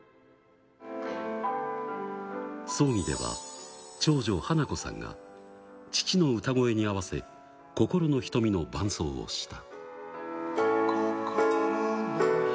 葬儀では長女、花子さんが父の歌声に合わせ、心の瞳の伴奏をした。